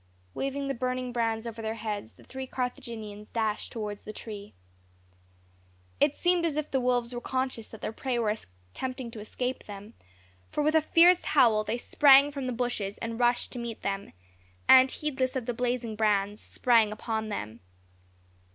Waving the burning brands over their heads, the three Carthaginians dashed towards the tree. It seemed as if the wolves were conscious that their prey were attempting to escape them; for, with a fierce howl, they sprang from the bushes and rushed to meet them; and, heedless of the blazing brands, sprang upon them.